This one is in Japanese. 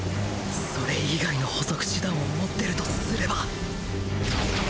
それ以外の捕捉手段を持ってるとすれば